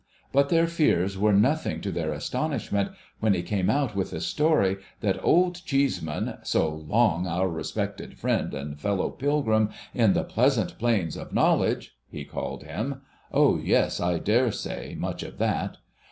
But their fears were nothing to their astonishment when he came out with the story that Old Cheeseman, ' so long our respected friend and fellow pilgrim in the pleasant jjlains of knowledge,' he called him — O yes ! I dare say ! Much of that